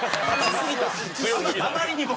あまりにも。